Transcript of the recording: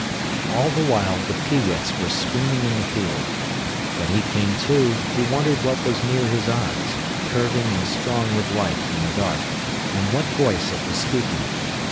All the while the peewits were screaming in the field. When he came to, he wondered what was near his eyes, curving and strong with life in the dark, and what voice it was speaking.